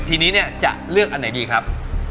ทีนี้จะเลือกอันไหนดีครับ